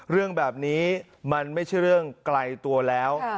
เรื่องแบบนี้มันไม่ใช่เรื่องไกลตัวแล้ว